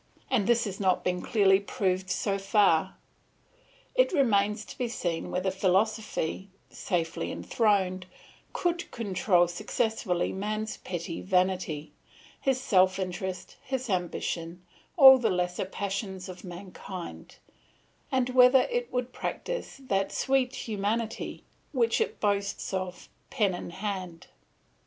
and this has not been clearly proved so far. It remains to be seen whether philosophy, safely enthroned, could control successfully man's petty vanity, his self interest, his ambition, all the lesser passions of mankind, and whether it would practise that sweet humanity which it boasts of, pen in hand.